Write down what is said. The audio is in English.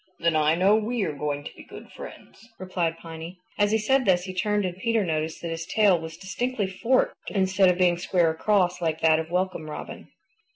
"Then I know we are going to be good friends," replied Piny. As he said this he turned and Peter noticed that his tail was distinctly forked instead of being square across like that of Welcome Robin.